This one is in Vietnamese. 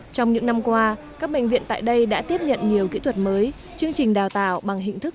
trong những năm qua các bệnh viện tại đây đã tiếp nhận nhiều kỹ thuật mới chương trình đào tạo bằng hình thức